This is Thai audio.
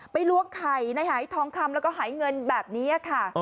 ไปลวกไข่หายทองคำหายเงินแบบนี้ค่ะ